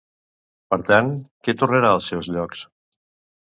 Per tant, qui tornarà als seus llocs?